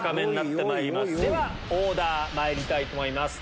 ではオーダーまいりたいと思います。